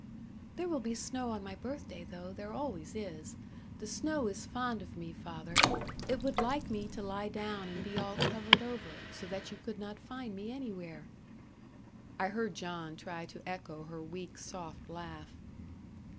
"There will be snow on my birthday, though. There always is. The snow is fond of me, father. It would like me to lie down and be all covered over, so that you could not find me anywhere." I heard John try to echo her weak, soft laugh.